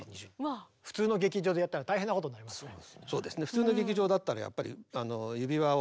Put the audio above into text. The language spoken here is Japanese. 普通の劇場でやったら大変なことになりますね。